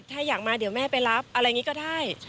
ถ้าอยากมาเดี๋ยวแม่ไปรับอะไรอย่างนี้ก็ได้